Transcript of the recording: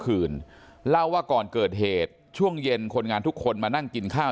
คืนเล่าว่าก่อนเกิดเหตุช่วงเย็นคนงานทุกคนมานั่งกินข้าว